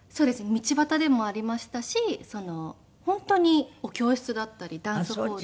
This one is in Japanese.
道端でもありましたし本当にお教室だったりダンスホールで。